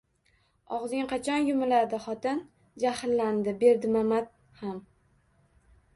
-Og’zing qachon yumiladi, xotin?! – Jahllandi Berdimamat ham.